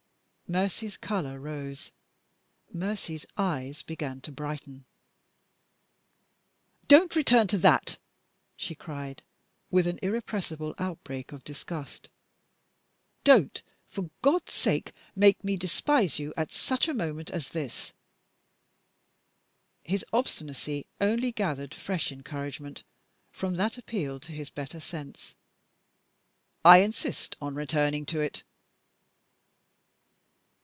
Mercy's color rose; Mercy's eyes began to brighten. "Don't return to that!" she cried, with an irrepressible outbreak of disgust. "Don't, for God's sake, make me despise you at such a moment as this!" His obstinacy only gathered fresh encouragement from that appeal to his better sense. "I insist on returning to it."